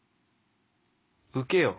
受けよう。